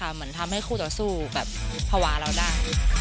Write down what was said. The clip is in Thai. เหมือนทำให้คู่ต่อสู้แบบภาวะเราได้